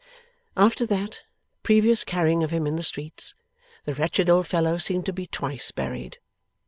After that previous carrying of him in the streets, the wretched old fellow seemed to be twice buried.